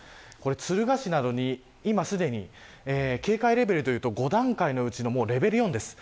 敦賀市などに、今すでに警戒レベルでいうと５段階のうちのレベル４です。